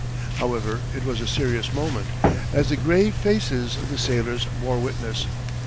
However, it was a serious moment, as the grave faces of the sailors bore witness.